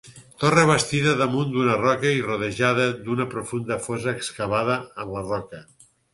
Torre bastida damunt una roca i rodejada d'una profunda fossa excavada en la roca.